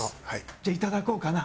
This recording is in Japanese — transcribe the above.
じゃあいただこうかな。